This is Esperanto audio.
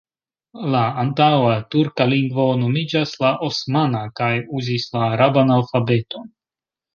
La antaŭa turka lingvo nomiĝas la osmana kaj uzis la araban alfabeton.